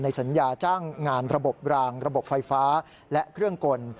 สัญญาจ้างงานระบบรางระบบไฟฟ้าและเครื่องกล